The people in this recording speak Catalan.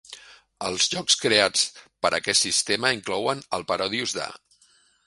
Els jocs creats per a aquest sistema inclouen el Parodius Da!